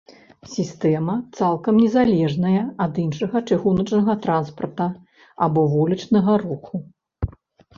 Сістэма цалкам незалежная ад іншага чыгуначнага транспарта або вулічнага руху.